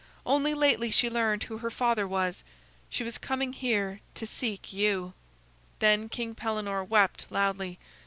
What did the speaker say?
Only lately she learned who her father was. She was coming here to seek you." Then King Pellenore wept loudly.